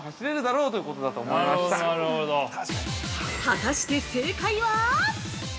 ◆果たして、正解は。